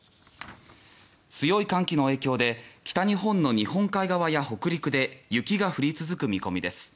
強い寒気の影響で北日本の日本海側や北陸で雪が降り続く見込みです。